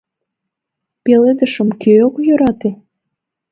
— Пеледышым кӧ ок йӧрате?